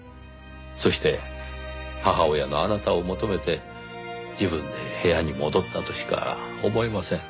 そして母親のあなたを求めて自分で部屋に戻ったとしか思えません。